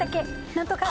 なんとか。